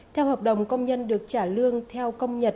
theo hợp đồng công nhân được trả lương theo